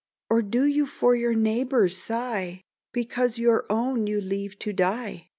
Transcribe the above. Or do you for your neighbour's sigh, Because your own you leave to die?